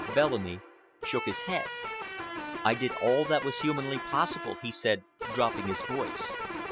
Bellamy shook his head. "I did all that was humanly possible," he said, dropping his voice.